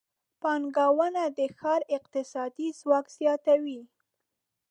پانګونه د ښار اقتصادي ځواک زیاتوي.